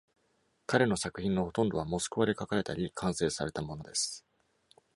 彼の作品のほとんどはモスクワで書かれたり、完成されたものです。